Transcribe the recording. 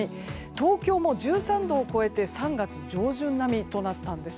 東京も１３度を超えて３月上旬並みとなったんです。